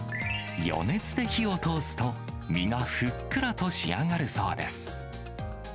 余熱で火を通すと、身がふっくらと仕上がるそうです。